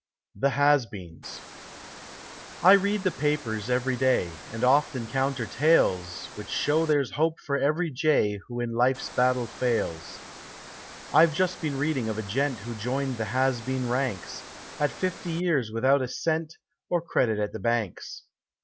THE HAS BEENS I read the papers every day, and oft encounter tales which show there's hope for every jay who in life's battle fails. I've just been reading of a gent who joined the has been ranks, at fifty years without a cent, or credit at the banks.